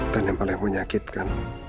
dan yang paling menyakitkan